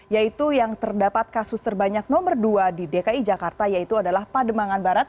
yaitu yang terdapat kasus terbanyak nomor dua di dki jakarta yaitu adalah pademangan barat